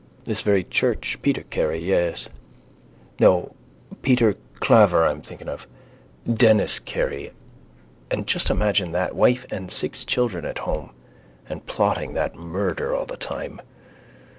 This very church. Peter Carey, yes. No, Peter Claver I am thinking of. Denis Carey. And just imagine that. Wife and six children at home. And plotting that murder all the time.